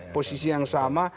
posisi yang sama